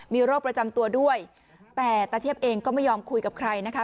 มีโรคประจำตัวด้วยแต่ตาเทียบเองก็ไม่ยอมคุยกับใครนะคะ